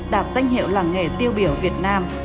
đạt danh hiệu làng nghề tiêu biểu việt nam